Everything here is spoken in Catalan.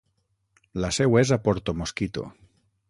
La seu és a Porto Mosquito.